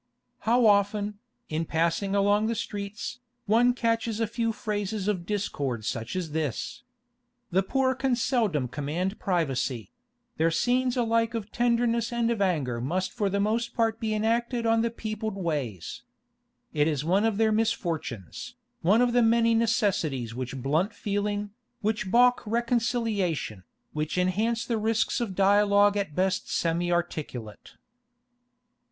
How often, in passing along the streets, one catches a few phrases of discord such as this! The poor can seldom command privacy; their scenes alike of tenderness and of anger must for the most part be enacted on the peopled ways. It is one of their misfortunes, one of the many necessities which blunt feeling, which balk reconciliation, which enhance the risks of dialogue at best semi articulate.